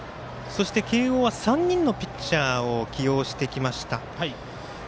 慶応は３人のピッチャーを起用してきました。